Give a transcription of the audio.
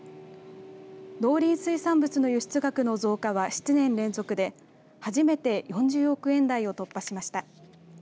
農林水産物の輸出額の増加は７年連続で初めて４０億円台を突破しました。